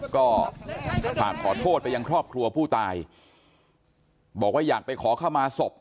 ก็ฝากขอโทษไปยังครอบครัวผู้ตายบอกว่าอยากไปขอเข้ามาศพ